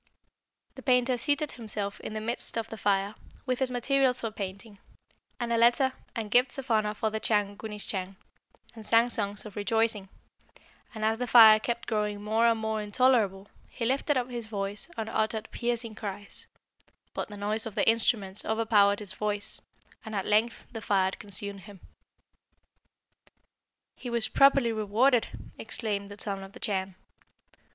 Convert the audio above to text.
The painter seated himself in the midst of the fire, with his materials for painting, and a letter and gifts of honour for the Chan Gunisschang, and sang songs of rejoicing; and as the fire kept growing more and more intolerable, he lifted up his voice and uttered piercing cries; but the noise of the instruments overpowered his voice, and at length the fire consumed him." "He was properly rewarded!" exclaimed the Son of the Chan.